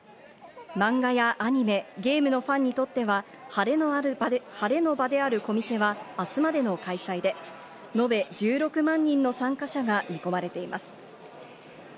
漫画やアニメ、ゲームのファンにとってはハレの場であるコミケは明日までの開催で、のべ１６万人の参加者が見込まれています。